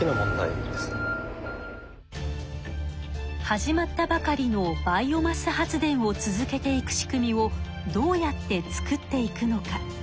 始まったばかりのバイオマス発電を続けていく仕組みをどうやって作っていくのか？